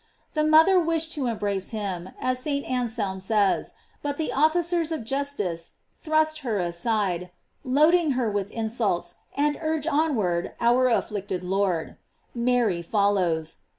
The mother wished to embrace him, as St. Anselm says, but the officers of justice thrust her aside, loading her with insults, and urge on ward our afflicted Lord. Mary follows.